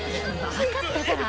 分かったから。